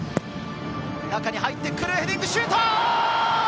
中に入ってくる、ヘディングシュート！